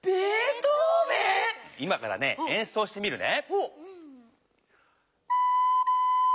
今からねえんそうしてみるね。